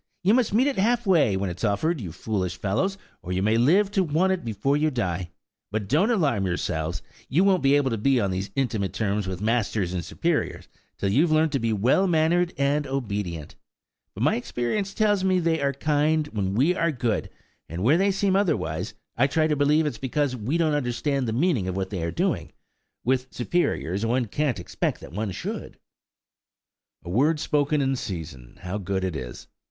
You must meet it half way, when it's offered, you foolish fellows, or you may live to want it before you die! But, don't alarm yourselves! You won't be able to be on these intimate terms with masters and superiors, till you've learnt to be well mannered and obedient. But my experience tells me they are kind when we are good; and where they seem otherwise, I try to believe it is because we don't understand the meaning of what they are doing;–with superiors one can't expect that one should." A word spoken in season, how good it is!